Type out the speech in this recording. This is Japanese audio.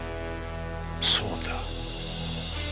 そうだ！